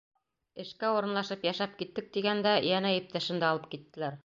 Эшкә урынлашып йәшәп киттек тигәндә, йәнә иптәшемде алып киттеләр.